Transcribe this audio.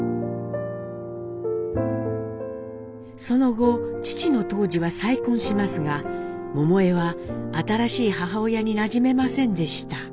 その後父の東二は再婚しますが桃枝は新しい母親になじめませんでした。